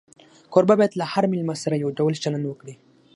کوربه باید له هر مېلمه سره یو ډول چلند وکړي.